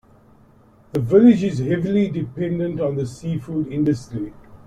The village is heavily dependent on the seafood industry.